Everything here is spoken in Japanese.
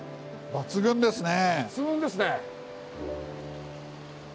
抜群ですね。